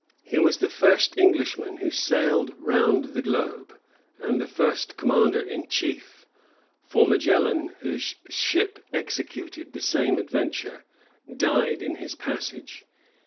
He was the first Englishman who sailed round the globe; and the first commander in chief; for Magellan, whose ship executed the same adventure, died in his passage.